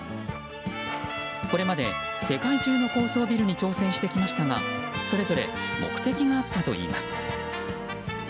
これまで世界中の高層ビルに挑戦してきましたがそれぞれ目的があったといいます。